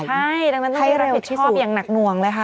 ใช่ดังนั้นต้องรีบรับผิดชอบอย่างหนักหน่วงเลยค่ะ